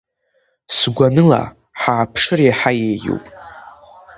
Сгәаныла, ҳааԥшыр иаҳа иеиӷьуп.